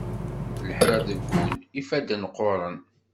Lḥir deg ul, ifadden qquṛen.